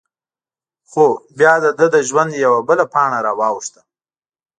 خو؛ بیا د دهٔ د ژوند یوه بله پاڼه را واوښته…